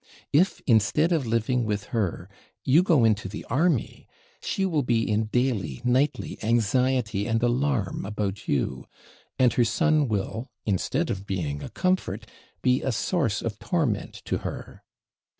If, instead of living with her, you go into the army, she will be in daily, nightly anxiety and alarm about you; and her son will, instead of being a comfort, be a source of torment to her.